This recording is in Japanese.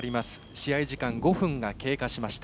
試合時間５分が経過しました。